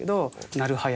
なるはや。